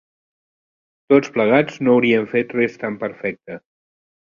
Tots plegats, no haurien fet res tan perfecte